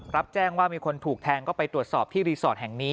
รับแจ้งว่ามีคนถูกแทงก็ไปตรวจสอบที่รีสอร์ทแห่งนี้